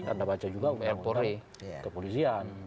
anda baca juga undang undang kepolisian